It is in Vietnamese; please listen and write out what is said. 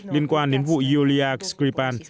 liên quan đến vụ yulia skrifan